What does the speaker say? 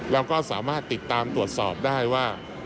เราก็สามารถติดตามตรวจสอบได้ว่า